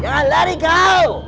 jangan lari kau